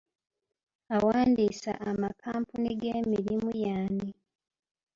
Awandiisa amakampuni g'emirimu y'ani?